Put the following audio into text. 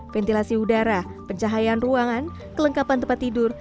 ventilasi udara pencahayaan ruangan kelengkapan tempat tidur